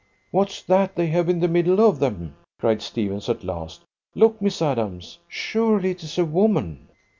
"What's that they have in the middle of them?" cried Stephens at last. "Look, Miss Adams! Surely it is a woman!"